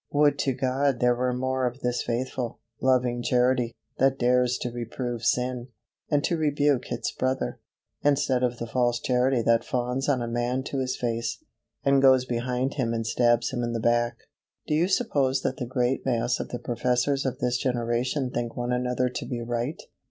Would to God there were more of this faithful, loving Charity, that dares to reprove sin, and to rebuke its brother, instead of the false Charity that fawns on a man to his face, and goes behind him and stabs him in the back. Do you suppose that the great mass of the professors of this generation think one another to be right?